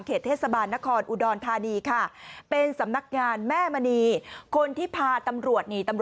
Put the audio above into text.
เขตเทศบาลนครอุดรธานีค่ะ